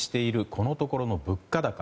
このところの物価高。